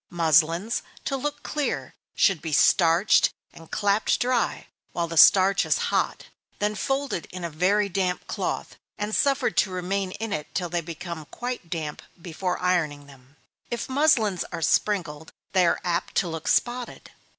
Muslins, to look clear, should be starched, and clapped dry, while the starch is hot, then folded in a very damp cloth, and suffered to remain in it till they become quite damp, before ironing them. If muslins are sprinkled, they are apt to look spotted.